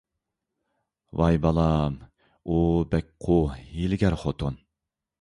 ۋاي بالام، ئۇ بەك قۇۋ، ھىيلىگەر خوتۇن.